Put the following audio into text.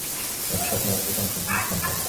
এর সাথে আরও দুটো অংশের জন্য স্থান থাকবে।